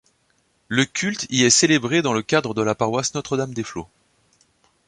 Le culte y est célébré dans le cadre de la paroisse Notre-Dame-des-Flots.